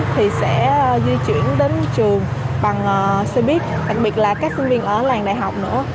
thì sẽ di chuyển đến trường bằng xe buýt đặc biệt là các sinh viên ở làng đại học nữa